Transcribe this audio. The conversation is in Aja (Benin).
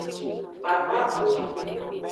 Kpakpaxu.